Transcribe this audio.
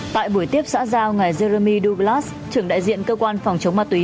tại buổi tiếp xã giao ngày jeremy douglas trưởng đại diện cơ quan phòng chống ma túy